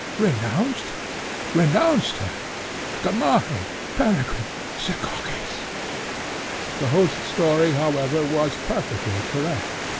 Renounced? renounced her? Gamaheh! Peregrine! Sekakis!" The host's story, however, was perfectly correct.